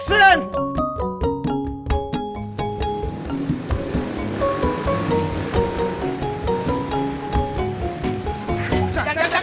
jangan jangan jangan